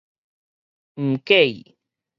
毋過意